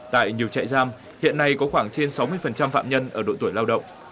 tại nhiều chạy giam hiện nay có khoảng trên sáu mươi phạm nhân ở đội tuổi lao động